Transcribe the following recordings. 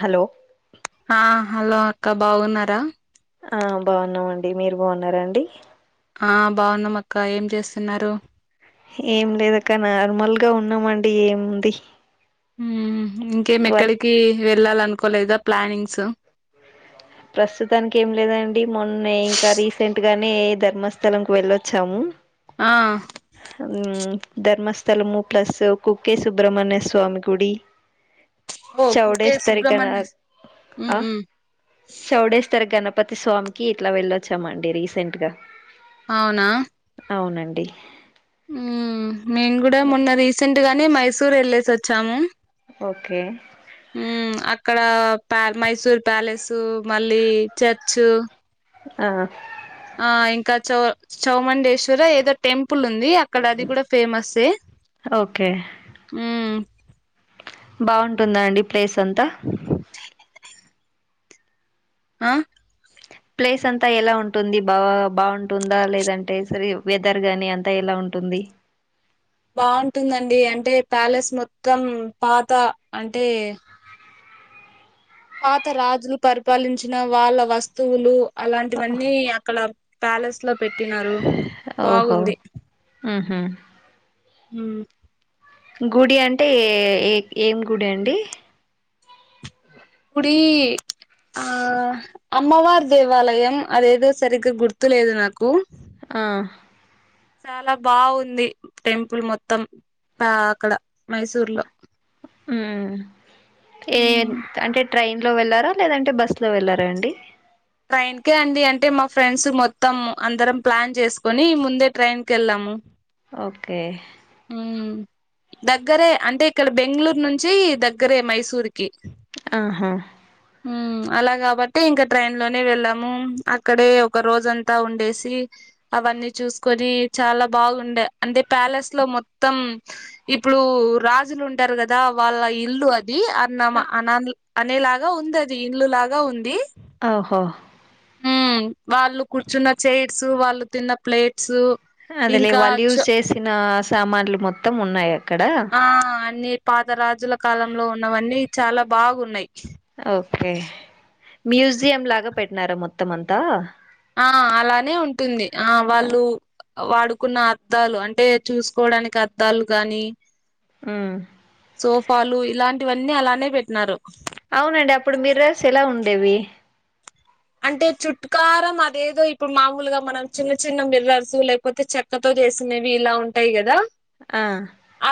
Hello ఆ hello అక్క బాగున్నారా ఆ బాగున్నామండి మీరు బాగున్నారాండీ ఆ బాగున్నామక్కా, ఏం చేస్తున్నారు? ఏం లేదక్క నార్మల్ గా ఉన్నామండీ, ఏముంది. మ్మ్ ఇంకేం వర్క్ ఎక్కడికీ వెళ్ళాలనుకోలేదా ప్లానింగ్స్ ప్రస్తుతానికి ఏం లేదండి, మొన్నే ఇంకా రీసెంట్ గానే ధర్మస్థలంకి వెళ్ళొచ్చాము. ఆ మ్మ్ ధర్మస్థలము ప్లస్ కుక్కే సుబ్రహ్మణ్య స్వామి గుడి ఓ కుక్కే చౌడస్ తారకాన సుబ్రహ్మణ్య మ్మ్ ఆ మ్మ్ చెౌడస్ తర్ఖన ప్రతి స్వామికీ ఇట్లా వెళ్ళొచ్చామండి రీసెంట్ గా అవునా అవునండి మ్మ్ మేం గూడా మొన్న రీసెంట్ గానే మైసూర్ వెళ్ళేసి వచ్చాము. ఓకే ఉమ్ అక్కడ ప మైసూర్ ప్యాలెసు మళ్ళీ చర్చ్ ఆ ఆ ఇంకా చౌ చౌమండేశ్వర ఏదో టెంపుల్ ఉంది అ అక్కడ అది కూడా ఫేమస్సే ఓకే ఉమ్ బాగుంటుందా అండి ప్లేస్ అంతా? ఆ ప్లేస్ అంతా ఎలా ఉంటుంది బా బాగుంటుందా లేదంటే సర వెదర్ గాని అ అంతా ఎలా ఉంటుంది? బాగుంటుందండి అంటే ప్యాలెస్ మొత్తం పాత అంటే పాత రాజులు పరిపాలించిన వాళ్ళ వస్తువులు అలాంటివన్నీ అక్కడ ప్యాలెస్ లో పెట్టినారు ఓహో బాగుంది ఉహు హు గుడి అంటే ఏ ఏ ఏం గుడి అండి కుడి ఆ అమ్మవారి దేవాలయం అదేదో సరిగ్గా గుర్తులేదు నాకు ఆ చాలా బావుంది టెంపుల్ మొత్తం ఆ అక్కడ మైసూర్ లో మ్మ్ ఏ అంటే ట్రైన్లో వెళ్ళారా లేదంటే బస్లో వెళ్ళారా అండి ట్రైన్ కే అండి అంటే మా ఫ్రెండ్స్ మొత్తం అందరం ప్లాన్ చేసుకొని ముందే ట్రైన్ కెళ్ళాము ఓకే ఉమ్మ్ దగ్గరే అంటే ఇక్కడ బెంగళూరు నుంచి దగ్గరే మైసూరుకి ఆహా మ్ అలా కాబట్టే ఇంకా ట్రైన్ లోనే వెళ్ళాము అక్కడే ఒక రోజంతా ఉండేసి అవన్నీ చూసుకొని చాలా బాగుండే అంటే ప్యాలెస్ ట్లో మొత్తం ఇప్పుడు రాజులు ఉంటారు కదా వాళ్ళ ఇల్లు అది అ ఉన్నామా అనన్ల్ అనేలాగా ఉంది అది ఇండ్లు లాగా ఉంది ఓహో ఉమ్ వాళ్ళు కూర్చున్న చైర్స్ వాళ్ళు తిన్న ప్లేట్స్ అదెలే ఇంకా వాళ్ళు యూజ్ చ చేసిన సామాన్లు మొత్తం ఉన్నాయి అక్కడ ఆ అన్నీ పాత రాజుల కాలంలో ఉన్నవన్నీ చాలా బాగున్నాయి ఓకే మ్యూజియం లాగా పెట్టినారా మొత్తం అంతా ఆ అలానే ఉంటుంది ఆ వాళ్ళు వాడుకున్న అద్దాలు అంటే చూసుకోవడానికి అద్దాలు గానీ ఆ సోఫాలు ఇలాంటివన్నీ అలానే పెట్టినారు అవునండి అప్పుడు మీరస్ ఎలా ఉండేవి అంటే చుట్టుకారం అదేదో ఇప్పుడు మామూలుగా మనం చిన్న చిన్న మిర్రర్సు లే పోతే చెక్కతో చేసినవి ఇలా ఉంటాయి కదా ఆ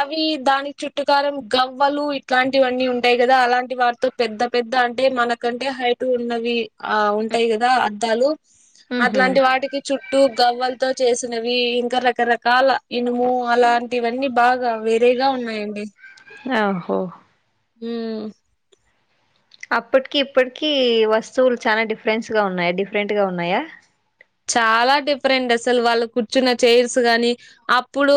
అవి దానికి చుట్టుకారం గవ్వలు ఇట్లాంటివన్నీ ఉంటాయి కదా అలాంటి వా తో పెద్ద పెద్ద అంటే మనకంటే హైట్ ఉన్నవి ఆ ఉ ఉంటాయి కదా అద్దాలు ఉహు అట్లాంటి వాటికి చు ట్టూ గవ్వలతో చేసినవి ఇంకా రకరకాల ఇనుము అలాంటివన్నీ బాగా వేరేగా ఉన్నాయండి యా హో ఊ అప్పటికి ఇప్పటికి వస్తువులు చాలా డిఫరెన్స్ గా ఉన్నాయా డిఫరెంట్ గా ఉన్నాయా చాలా డిఫరెంట్ అసలు వాళ్ళు కూర్చున్న చైర్స్ గానీ అప్పుడు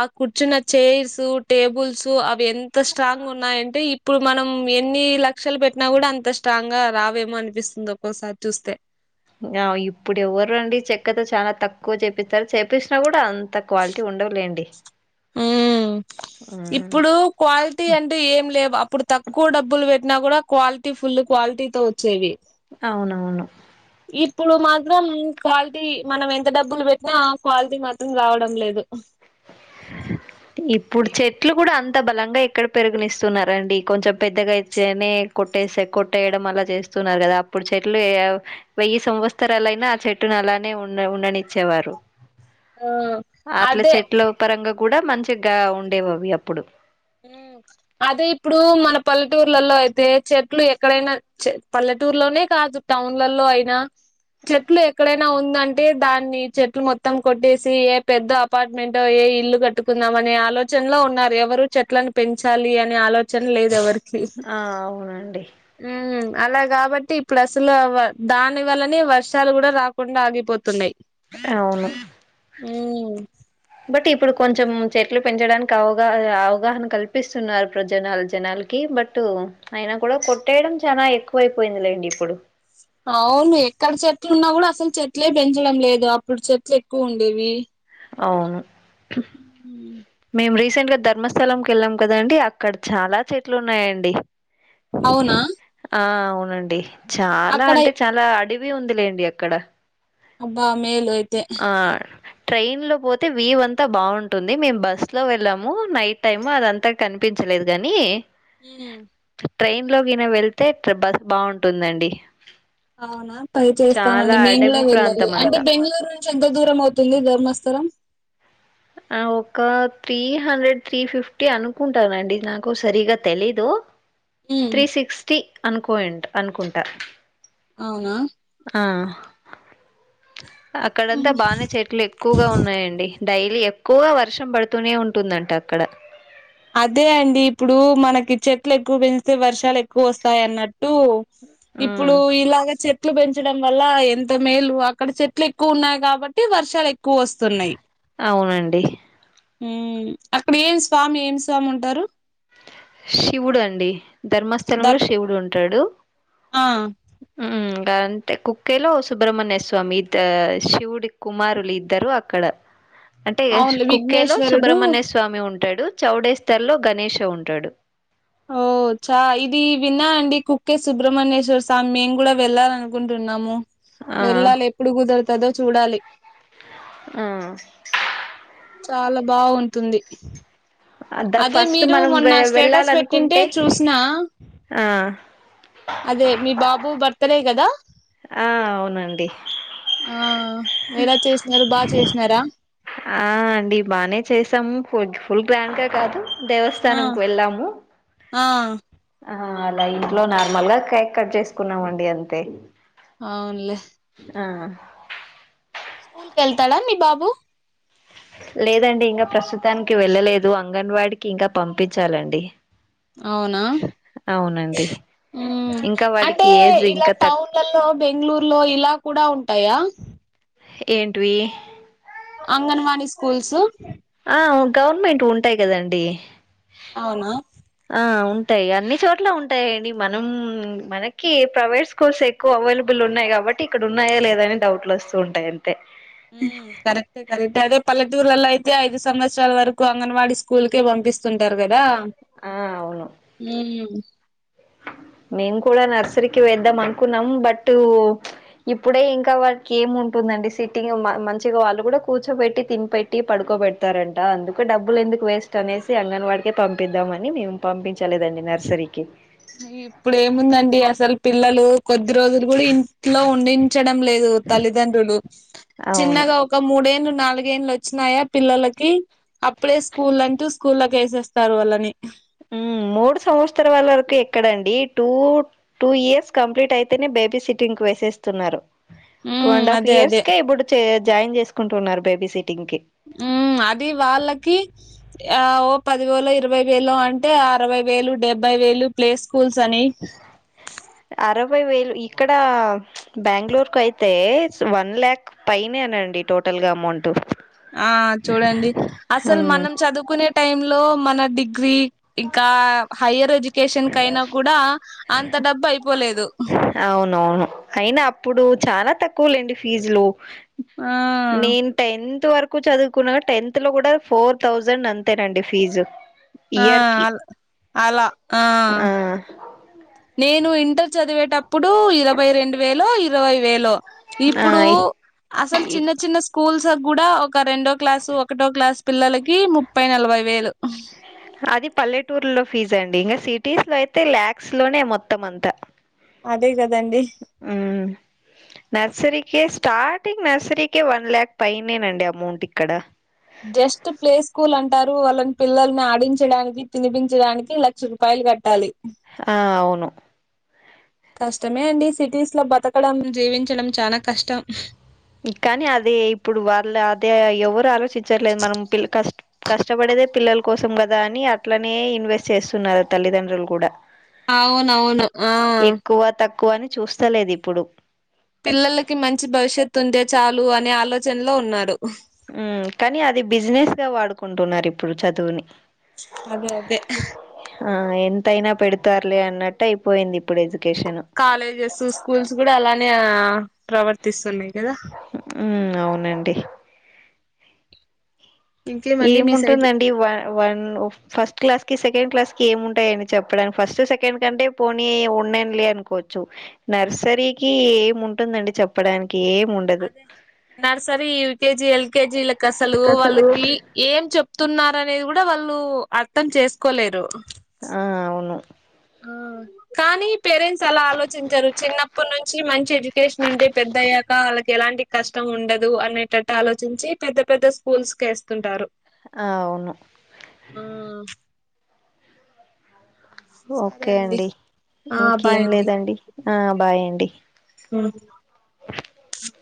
ఆ కుర్చున్న చైర్స్ టేబుల్స్ అవి ఎంత స్ట్రాంగ్ ఉన్నాయంటే ఇ ప్పుడు మనం ఎన్ని లక్షలు పెట్టినా కూడా అంత స్ట్రాంగ్ గా రావేమో అనిపిస్తుంది ఒక్కోసారి చూస్తే యావ్ ఇప్పుడు ఎవ్వరండి చెక్కతో చానా తక్కువ చేపిత్తారు చేపిస్సినా కూడా అంత క్వాలిటీ ఉండవులేండి ఉమ్ ఊ ఇప్పుడు క్వాలిటీ అంటే ఏం లేవు అప్పుడు తక్కువ డబ్బులు పెట్టినా కూడా క్వాలిటీ ఫుల్లు క్వాలిటీతో వచ్చేవి అవునవును ఇప్పుడు మాత్రం క్వాలిటీ మనం ఎంత డబ్బులు పెట్టినా ఆ క్వాలిటీ మాత్రం రావడం లేదు ఇప్పుడు చెట్లు కూడా అంత బలంగా ఎక్కడ పెరగనిస్తున్నారండి కొంచెం పెద్దగైతేనే కొట్టేసే కొట్టేయడం అలా చేస్తున్నారు కదా అప్పుడు చె ట్లు యవ్ వెయ్యి సంవత్సరాలైనా ఆ చెట్టును అలానే ఉ ఉండనిచ్చేవారు ఆ అట్ల అదే చెట్లు పరంగా కూడా మంచిగా ఉండేవి అవి అప్పుడు ఊ అదే ఇప్పుడు మన పల్లెటూర్లల్లో అయితే చెట్లు ఎక్కడైనా చె పల్లెటూరులోనే కాదు టౌన్లల్లో అయినా చెట్లు ఎక్కడైనా ఉందంటే దాన్ని చెట్లు మొత్తం కొట్టేసి ఏ పెద్ద పార్ట్మెంటో ఏ ఇల్లు కట్టుకుందాం అనే ఆలోచనలో ఉన్నారు ఎవరూ చెట్లను పెంచాలి అనే ఆలోచన లేదు ఎవరిక ఆ అవునండి ఊ అలా కాబట్టి ఇప్పుడు అసలు దాని వల్లనే వర్షాలు కూడా రాకుండా ఆగిపోతున్నాయి అవును ఉమ్ బట్ ఇప్పుడు కొంచెం చెట్లు పెంచడానికి అవగాహ అవగాహన కల్పిస్తున్నారు జనాలు జనాలకి హే బట్ అయినా కూడా కొట్టేయడం చాలా ఎక్కువైపోయిందిలేండి ఇప్పుడు అవును ఎక్కడ చెట్లు ఉన్నా కూడా అసలు చెట్లే పెంచడం లేదు అప్పుడు చెట్లు ఎక్కువ ఉండేవి అవును ఉమ్ మేం రీసెంట్ గా ధర్మ స్థలంకి వెళ్ళాం కదా అండి అక్కడ చాలా చేట్లు ఉన్నాయండి అవునా ఆ అవునండి చాలా అక్కడ అంటే చాలా అడవి ఉందిలేండి అక్కడ హబ్బా మెయిల్ ఆ ట్రైన్ లో పోతే వ్యూ అంతా బాగుంటుంది మేము బస్ లో వెళ్ళాము నైట్ టైమ్ అదంతా కనిపించలేదు కాని హు ట్రైన్ లో గిన వెళ్తే బస్ బాగుంటుందండి అవునా పని చాలా చేస్తామండి మేము అడవి కూడా వెళ్ళాలి ప్రాంతం అంటే అంతా బెంగళూరు ఎంత దూరం అవుతుంది ధర్మస్థలం ఆ ఒక్క త్రీ హండ్రెడ్ త్రీ ఫిఫ్టీ అనుకుంటానండి నాకు సరిగా తెలీదు ఉమ్ త్రీ సిక్స్టీ అనుకోయంటా అనుకుంటా అవునా హా అక్కడంతా హ్మ్. బానే చెట్లు ఎక్కువగా ఉన్నాయండి డైలీ ఎక్కువ వర్షం పడుతూనే ఉంటుందంట అక్కడ అదే అండి ఇప్పుడు మనకి చెట్లు ఎక్కువ పెంచితే వర్షాలు ఎక్కువ వస్తాయి అన్నట్టు ఉమ్ ఇప్పుడు ఇలాగే చెప్ చెట్లు పెంచడం వల్ల ఎంత మేలు అక్కడ చెట్లు ఎక్కువ ఉన్నాయి కాబట్టి వర్షాలు ఎ క్కువ వస్తున్నయి అవునండి హు అక్కడ ఏం స్వామి ఏం సా స్వామి ఉంటారు శివుడు అండి ధర్మస్థలంలో దర్ శివుడు ఉంటాడు ఆ ఉ గదిఅంతే కుక్కేలో సుబ్రహ్మణ్యస్వామి ఇద్ద శివుడు కుమారులు ఇద్దరు అక్కడ అంటే అవునులే కుక్కేలో విఘ్నేశ్వరుడు సుబ్రహమణ్య సా స్వామి ఉంటాడు చౌడేస్తర్ లో గణేష్ ఉంటాడు ఓ చ ఇది విన్నా అండి కుక్కే సుబ్రహ్మణ్యేశ్వర స్వామి మేము కూడా వెళ్ళాలి అనుకుంటున్నాము ఆ వెళ్ళాలి ఎప్పుడు కుదురుతదో చూడాలి హు చాలా బాగుంటుంది అద్ద అదే ఫస్ట్ మీరు మనం వె మొన్న స్టేటస్ పెట్టింటే వెళ్ళాలనుకుంటే చూసినా ఆ అదే మీ బాబు బర్త్డే కదా ఆ అవునండి ఆ ఎలా చేస్తున్నారు బాగా చేసినారా ఆ అండి బాగానే చేసాము ఫుడ్ ఫుల్ గ్రాండ్గా కాదు ఆ దేవస్థానం కు వెళ్ళాము ఆ ఆ అలా ఇంట్లో నార్మల్గా కేక్ కట్ చేసుకున్నామండి అంతే అవునులే ఆ హా స్కూల్ కు వెళ్తాడా మీ బాబు లేదండి ఇంకా ప్రస్తుతానికి వెళ్ళలేదు అంగన్వాడికి ఇంకా పంపించాలండి అవునా అవునండి ఇంకా వాడికి అంటే ఏజ్ ఇలా ఇంకా తక్ టౌన్ లల్లో బెంగళూరులో ఇలా కూడా ఉంటాయా ఏంటివి అంగన్వాడీ స్కూల్స్ ఆ గవర్నమెంట్ ఉంటాయి కదండి అవునా ఆ ఉంటాయి అన్ని చోట్ల ఉంటాయంండి మనం మనకి ప్రైవేట్ స్కూల్స్ ఎక్కువ అవైలబుల్ ఉన్నాయి కాబట్టి ఇక్కడ ఉన్నాయా లేదాని డౌట్లు వస్తూ ఉంటాయి అంతే ఉమ్ కరెక్టే కరెక్టే అదే పల్లెటూరులలో అయితే ఐదు సంవత్సరాల వరకు అంగన్వాడీ స్కూల్కే పంపిస్తుంటారు కదా ఆ అవును ఉ మేము కూడా నర్సరీకి వేద్దాం అనుకున్నాం బట్ ఇప్పుడే ఇంకా వాారికి ఏం ఉంటుందండి సిట్టింగ్ మంచిగా వాళ్ళు కూడా కూర్చోబెట్టి తినిపెట్టి పడుకోబెడతారంట అందుకు డబ్బులు ఎందుకు వేస్ట్ అనేసి అంగన్ వాడికే పంపిద్దాంమని మేం పంపించలేదండి నర్సరీకి ఇప్పుడు ఏముందండి అసలు పిల్లలు కొద్ది రోజులు కూడా ఇ లో ఉండించడం లేదు తల్లిదండ్రులు అవును చిన్నగా ఒక మూడేళ్ళు నాలుగ ఏళ్లు వచ్చినాయా పిల్లలకి అప్పుడే స్కూల్ అంటూ స్కూల్కి వేసేస్తారు వాళ్ళని మూడు సంవత్సర వాళ వరకు ఎక్కడండి టూ టూ ఇయర్స్ కంప్లీట్ అయితేనే బేబీ సిటింగ్ వేసేస్తున్నారు టూ ఉమ్ అండ్ హాఫ్ అదే ఇయర్స్ అదే కే ఇప్పుడు జాయిన్ చేసుకుంటు ఉన్నారు బేబీ సిటింగ్ కి ఉ అది వాళ్ళకి ఆ ఓ పదివేలో ఇరవై వేలు అంటే అరవై వేలు డెబ్బై వేలు ప్లస్ స్కూల్స్ అని అరవై వేలు ఇక్కడ బెంగళూరుకు అయితే వన్ ల్యాక్ పైనేనండి టోటల్గా అమౌంట్ ఆ చూడండి అసలు హ్మ్ మనం చదువుకునే టై లో మన డిగ్రీ ఇంకా హయ్యర్ ఎడ్యుకేషన్ క అయినా కూడా అంత డబ్బు అయిపోలేదు అవునవును అయినా అప్పుడు చాలా తక్కువలుండి ఫీజులు ఆ నేను టెన్త్ వరకు చదువుకున్నా టెన్త్ లో కూడా ఫోర్ థౌజండ్ అంతేనండి ఫీజు ఆ ఇయర్కి అల్ ఆ నేను ఇంటర్ చదివేటప్పుడు ఇరవై రెండు వేలో ఇరవై వేలో ఆ ఇప్పుడు అసలు చిన్న చిన్న స్కూల్స్లో కూడా ఒక రెండో క్లాసు ఒకటో క్లాస్ పిల్లలకి ముప్పై నలభై వేలు అది పల్లెటూర్ లో ఫీజ్ అండి. ఇంకా సిటీస్ లో అయితే ల్యాక్స్ లోనే మొత్తం అంతా. అదే కదండి. ఉ నర్సరీకే స్టార్టింగ్, నర్సరీకే వన్ ల్యాక్ పైనేనండి అమౌంట్ ఇక్కడ. జస్ట్ ప్లే స్కూల్ అంటారు వాళ్ళని పిల్లల్ని ఆడించడానికి, పినిపించడానికి లక్ష రూపాయలు కట్ట ట్టాలి ఆ అవును కష్టమే అండి సిటీస్ లో బతకడం, జీవించడం చానా కష్టం. కానీ అదే ఇప్పుడు వాళ్ళ అదే ఎవరు ఆలోచించట్లేద మనం పిల్ల కష్ట కష్టపడేదే పిల్లల కోసం కదా అని అట్లనే ఇన్వెస్ట్ చేస్తున్నారు తల్లిదండ్రులు కూడా అవునవును ఆ ఎక్కువ, తక్కువని చూస్తలేదు ఇప్పుడు. పిల్లలకి మంచి భవిష్యత్తు ఉంటే చాలు అనే ఆలోచనలో ఉన్నాడు. ఉ కానీ అది బిజినెస్ గా వాడుకుంటున్నారు ఇప్పుడు చదువుని. అదే అదే ఆ ఎంతయినా పెడతారులే అన్నట్టు అయిపోయింది ఇప్పుడు ఎడ్యుకేషన్ కాలేజెస్, స్కూల్స్ కూడా అలానే ప్రవర్తిస్తున్నాయి కదా ఉ అవునండి ఇంకేమండి మీ సైడ్ ఏముంటుందండి ఒక వన్ ఫస్ట్ క్లాస్ కి సెకండ్ క్లాస్ కి ఏమి ఉంటాయని చెప్పడానికి ఫస్ట్ సెకండ్ కంటే పోని ఉన్నాను లే అనుకోవచ్చు నర్సరీకి ఏముంటుందండి చెప్పడానికి ఏం ఉండదు అదే నర్సరీ, యూకేజీ, ఎల్కేజీలకు అసలు వాళ్ళకి ఏం చెప్తున్నారు అనేది కూడా వాళ్ళు అర్థం చేసుకోలేరు ఆ అవును ఆ [inaudible] కానీ పేరెంట్స్ అలా ఆలోచించరు చిన్నప్పటి నుంచి మంచి ఎడ్యుకేషన్ ఉంటే పెద్ద అయ్యాక వాళ్ళకి ఎలాంటి కష్టం ఉండదు అనేటట్టు ఆలోచించి పెద్ద పెద్ద స్కూల్స్ కే వేస్తుంటారు ఆ అవును ఉ ఓకే అండి ఆ బాయ్ ఇంకేం అండి లేదండి ఆ బాయ్ అండి ఉ [inaudible]